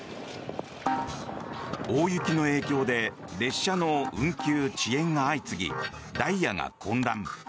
大雪の影響で列車の運休・遅延が相次ぎダイヤが混乱。